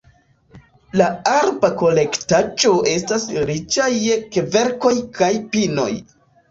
La arba kolektaĵo estas riĉa je kverkoj kaj pinoj.